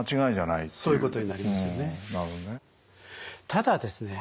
ただですね